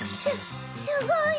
すごい。